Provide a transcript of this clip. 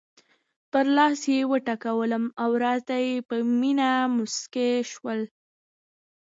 پر لاس یې وټکولم او راته په مینه مسکی شول.